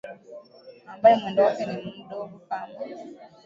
ambaye mwendo wake ni mdogo na kama